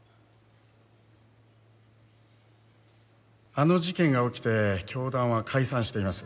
あの事件が起きて教団は解散しています。